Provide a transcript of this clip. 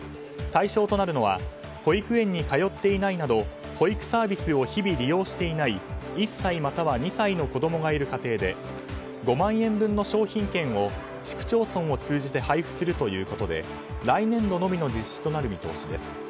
対象となるのは保育園に通っていないなど保育サービスを日々利用していない１歳または２歳の子供がいる家庭で５万円分の商品券を市区町村を通じて配布するということで来年度のみの実施となる見通しです。